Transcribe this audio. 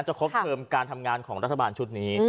ครบเทิมการทำงานของรัฐบาลชุดนี้